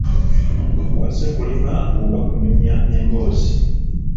Wazze kulima oba kunyumya emboozi?